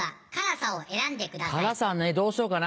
辛さねどうしようかな？